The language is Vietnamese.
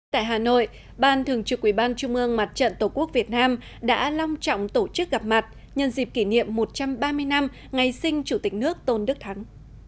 tại hà nội ban thường trực ủy ban trung ương mặt trận tổ quốc việt nam đã long trọng tổ chức gặp mặt nhân dịp kỷ niệm một trăm ba mươi năm ngày sinh chủ tịch nước tôn đức thắng